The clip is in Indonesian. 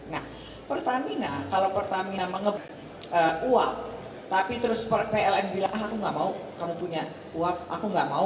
nah pertamina kalau pertamina mengembang uap tapi terus pln bilang aku gak mau kamu punya uap aku gak mau